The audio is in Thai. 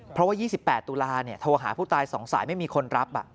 เพราะว่า๒๘ตุลาโทรหาผู้ตาย๒สายไม่มีคนรับ